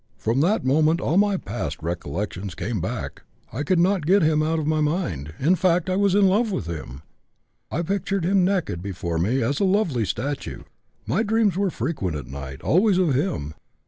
From that moment all my past recollections came back. I could not get him out of my mind; in fact, I was in love with him. I pictured him naked before me as a lovely statue; my dreams were frequent at night, always of him.